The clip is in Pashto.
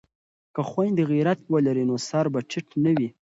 که خویندې غیرت ولري نو سر به ټیټ نه وي.